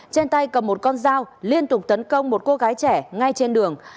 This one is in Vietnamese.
trên tay cầm một con dao liên tục tấn công một cô gái trẻ ngay trên đường